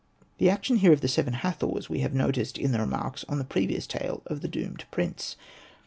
The action here of the seven Hathors we have noticed in the remarks on the previous tale of the Doomed Prince.